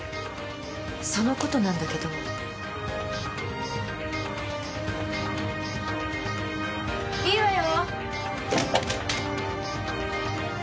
その事なんだけど。いいわよ。